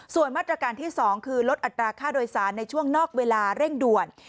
ส่วนมาตรการที่๒คือลดอัตราค่าโดยสารในช่วงนอกเวลาเร่งด่วน